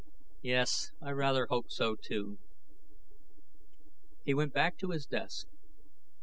"Yes, I rather hoped so, too." He went back to his desk.